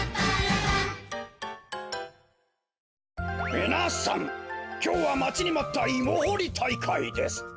みなさんきょうはまちにまったイモほりたいかいです。